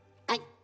はい。